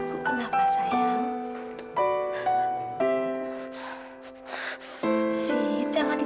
evita minta kasih tau mama